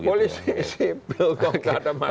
polisi sipil kok enggak ada masalah